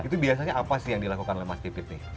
itu biasanya apa sih yang dilakukan oleh mas pipit nih